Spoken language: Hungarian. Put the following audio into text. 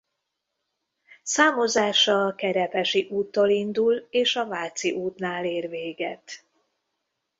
Számozása a Kerepesi úttól indul és a Váci útnál ér véget.